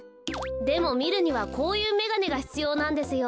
でもみるにはこういうめがねがひつようなんですよ。